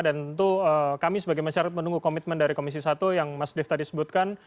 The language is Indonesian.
dan untuk kami sebagai masyarakat menunggu komitmen dari komisi satu yang mas dev tadi sebutkan